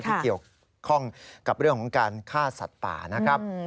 ที่เกี่ยวข้องกับเรื่องของการฆ่าสัตว์ป่านะครับ